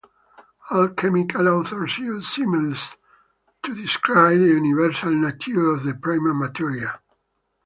Alchemical authors used similes to describe the universal nature of the prima materia.